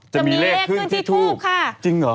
จะมีเลขขึ้นที่ทูบค่ะ